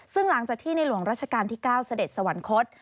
ซึ่งหลังจากที่ในหลวงราชการที่๙เสด็จสวรรคต